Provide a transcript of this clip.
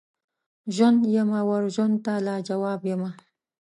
ژوند یمه وژوند ته لاجواب یمه